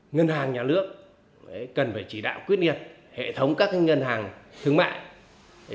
ngân hàng nhà nước cần phải chỉ đạo quyết nghiệp hệ thống các ngân hàng thương mại trên địa bàn tên là trung quốc